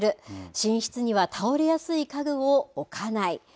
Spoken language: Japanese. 寝室には倒れやすい家具を置かない。